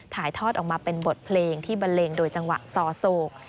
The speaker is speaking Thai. ถ่ายทอดออกมาเป็นบทเพลงที่บันเลงโดยจังหวะซอโศก